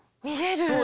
見える。